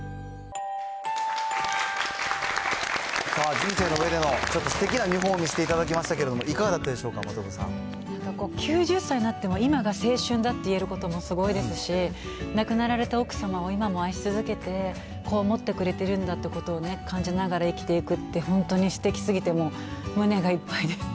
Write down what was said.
人生のうえでのちょっとすてきな見本を見せていただきましたけれども、いかがだったでしょうか、９０歳になっても、今が青春だって言えることもすごいですし、亡くなられた奥様を今も愛し続けて、こう思ってくれてるんだということを感じながら生きていくって、本当にすてきすぎて、もう、胸がいっぱいです。